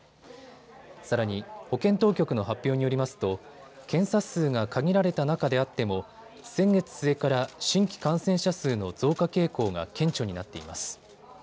さらに保健当局の発表によりますと検査数が限られた中であっても先月末から新規感染者数の増加傾向が顕著になっています。